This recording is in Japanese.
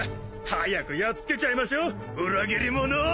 早くやっつけちゃいましょう裏切り者を。